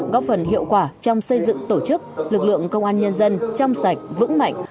góp phần hiệu quả trong xây dựng tổ chức lực lượng công an nhân dân trong sạch vững mạnh